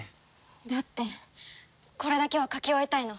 だってこれだけは描き終えたいの。